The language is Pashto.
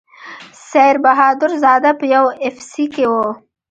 سیر بهادر زاده په یو اف سي کې و.